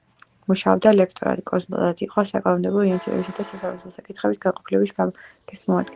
მუშაობდა ლექტორად, კონსულტანტად, იყო საკანონმდებლო ინიციატივების და სასამართლო საკითხების განყოფილების გამგეს მოადგილე.